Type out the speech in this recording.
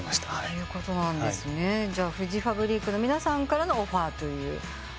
じゃあフジファブリックの皆さんからのオファーと。